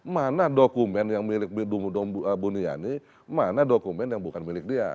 mana dokumen yang milik buniani mana dokumen yang bukan milik dia